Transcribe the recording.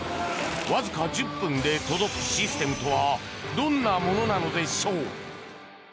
わずか１０分で届くシステムとはどんなものなのでしょう？